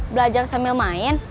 belajar sambil main